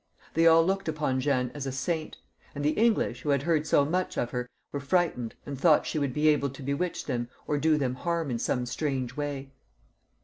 They all looked upon Jeanne as a saint ; and the English, who had heard so much of her, were frightened, atid thought she would be able to be witch them, or do them harm in some strange way.